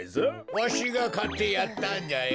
わしがかってやったんじゃよ。